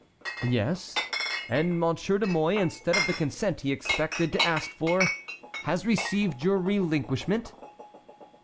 "Yes; and Monsieur de Mouy, instead of the consent he expected to ask for, has received your relinquishment?"